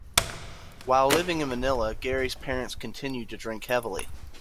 While living in Manila, Gary's parents continued to drink heavily.